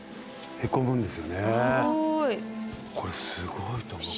これすごいと思う。